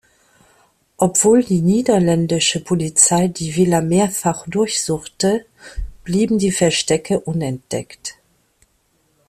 Obwohl die niederländische Polizei die Villa mehrfach durchsuchte, blieben die Verstecke unentdeckt.